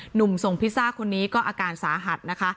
หนุ่มส่งพิซซ่าคนนี้ก็อาการสาหัสนะคะ